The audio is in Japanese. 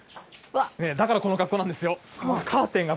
だから、この格好なんですよ。